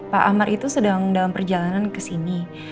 pak amar itu sedang dalam perjalanan kesini